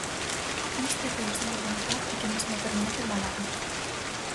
Uns terreos sen urbanizar e que mesmo permanecen valados.